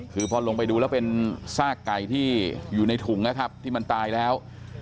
คือพอลงไปดูแล้วเป็นซากไก่ที่อยู่ในถุงนะครับที่มันตายแล้ว